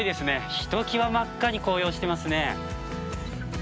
ひときわ真っ赤に紅葉してますね。